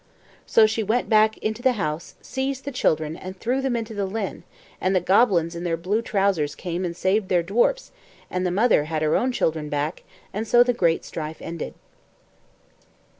So she went back into the house, seized the children and threw them into the Llyn, and the goblins in their blue trousers came and saved their dwarfs and the mother had her own children back and so the great strife ended.